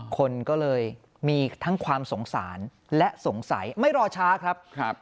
คนก็เลยมีทั้งความสงสารและสงสัยไม่รอช้าครับ